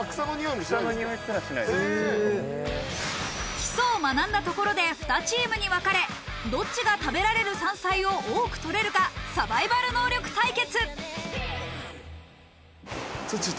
基礎を学んだところで２チームに分かれ、どっちが食べられる山菜を多く取れるか、サバイバル能力対決。